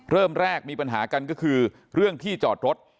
เริ่มแรกมีปัญหากันก็คือเรื่องที่จอดรถ